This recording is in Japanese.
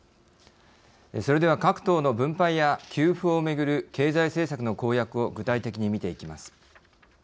それでは各党の分配や給付をめぐる経済政策の公約を具体的に見ていきます。